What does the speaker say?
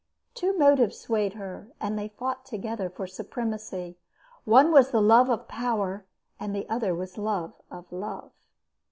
Two motives swayed her, and they fought together for supremacy. One was the love of power, and the other was the love of love.